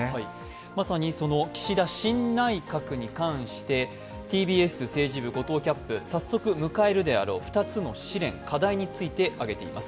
まさに岸田新内閣に関して、ＴＢＳ報道部、後藤キャップ早速、迎えるであろう２つの試練、課題について挙げています。